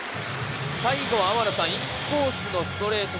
最後はインコースのストレート。